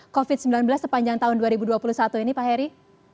covid sembilan belas sepanjang tahun dua ribu dua puluh satu ini pak heri